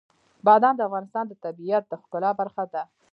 بادام د افغانستان د طبیعت د ښکلا برخه ده.